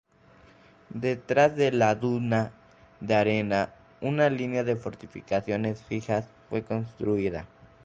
Detrás de la duna de arena, una línea de fortificaciones fijas fue construida.